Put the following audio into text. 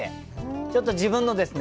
ちょっと自分のですね